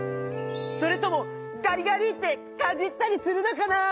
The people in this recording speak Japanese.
それともガリガリってかじったりするのかな？